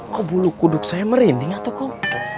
kok bulu kuduk saya merinding atau kok